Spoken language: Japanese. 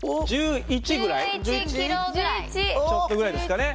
ちょっとぐらいですかね。